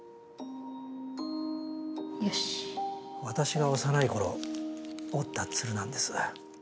私が幼い頃折った鶴なんです。